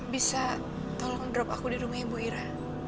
bisa tolong drop aku di rumah ibu ira